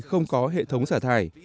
không có hệ thống xả thải